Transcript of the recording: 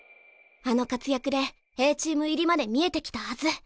あの活躍でＡチーム入りまで見えてきたはず！